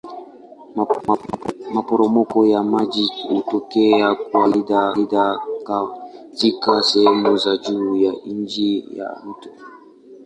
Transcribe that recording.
Maporomoko ya maji hutokea kwa kawaida katika sehemu za juu ya njia ya mto.